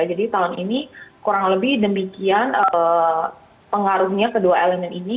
jadi tahun ini kurang lebih demikian pengaruhnya kedua elemen ini